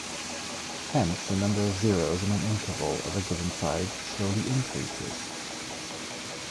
Hence, the number of zeros in an interval of a given size slowly increases.